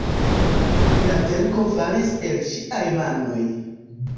La verko falis el ŝiaj manoj.